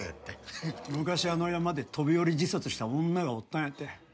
昔あの山で飛び降り自殺した女がおったんやて。